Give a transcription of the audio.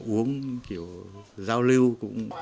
uống kiểu giao lưu cũng